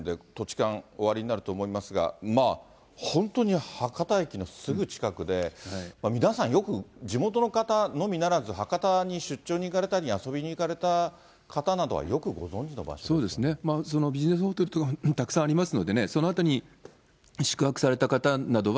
勘おありになると思いますが、まあ本当に博多駅のすぐ近くで、皆さん、よく、地元の方のみならず、博多に出張に行かれたり、遊びに行かれた方そうですね、ビジネスホテルとかもたくさんありますのでね、その辺りに宿泊された方などは、